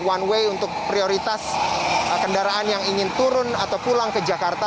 one way untuk prioritas kendaraan yang ingin turun atau pulang ke jakarta